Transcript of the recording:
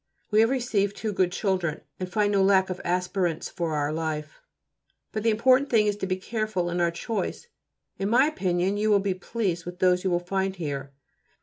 We have received two good children, and find no lack of aspirants for our life, but the important thing is to be careful in our choice. In my opinion you will be pleased with those you will find here.